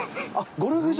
ゴルフ場。